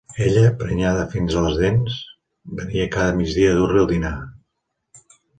Ella, prenyada fins a les dents, venia cada migdia a dur-li el dinar.